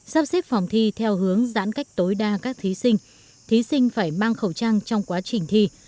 sắp xếp phòng thi theo hướng giãn cách tối đa các thí sinh thí sinh phải mang khẩu trang trong quá trình thi